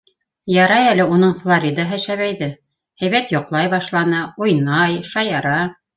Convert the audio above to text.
Ярай әле уның Флоридаһы шәбәйҙе, һәйбәт йоҡлай башланы, уйнай, шаяра.